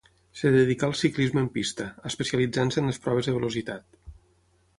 Es dedicà al ciclisme en pista, especialitzant-se en les proves de velocitat.